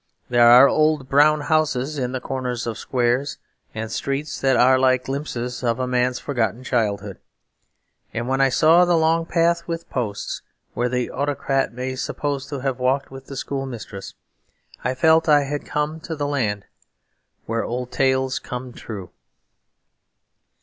There are old brown houses in the corners of squares and streets that are like glimpses of a man's forgotten childhood; and when I saw the long path with posts where the Autocrat may be supposed to have walked with the schoolmistress, I felt I had come to the land where old tales come true.